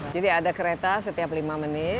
jadi ada kereta setiap lima menit